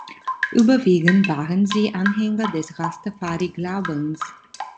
Überwiegend waren sie Anhänger des Rastafari-Glaubens.